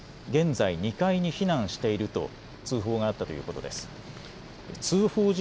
現在２階に避難していると通報があったということです。